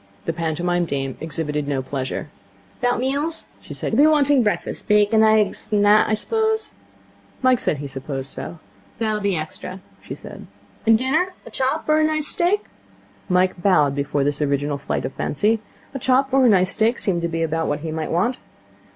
The pantomime dame exhibited no pleasure. ''Bout meals?' she said. 'You'll be wanting breakfast. Bacon, aigs, an' that, I suppose?' Mike said he supposed so. 'That'll be extra,' she said. 'And dinner? A chop, or a nice steak?' Mike bowed before this original flight of fancy. A chop or a nice steak seemed to be about what he might want.